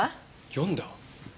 読んだ？